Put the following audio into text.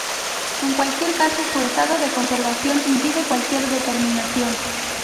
En cualquier caso, su estado de conservación impide cualquier determinación.